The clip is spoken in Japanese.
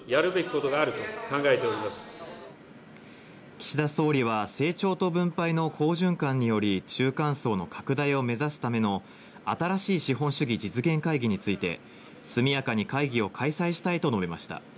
岸田総理は成長と分配の好循環により、中間層の拡大を目指すための、新しい資本主義実現会議について速やかに会議を開催したいと述べました。